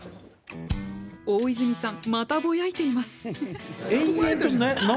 大泉さんまたぼやいています。